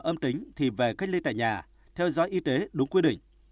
âm tính thì về cách ly tại nhà theo dõi y tế đúng quy định